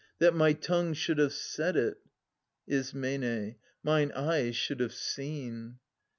That my tongue should have said it !— I. Mine eyes should have seen